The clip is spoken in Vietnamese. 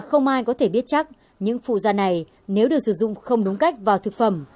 không ai có thể biết chắc những phụ da này nếu được sử dụng không đúng cách vào thực phẩm